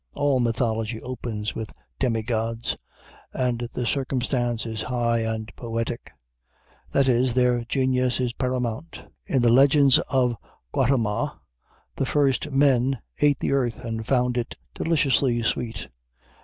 All mythology opens with demigods, and the circumstance is high and poetic; that is, their genius is paramount. In the legends of the Gautama, the first men ate the earth, and found it deliciously sweet.